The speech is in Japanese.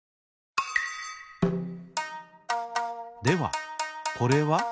ではこれは？